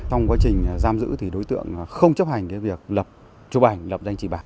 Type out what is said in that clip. trong quá trình giam giữ thì đối tượng không chấp hành việc lập chụp ảnh lập danh chỉ bản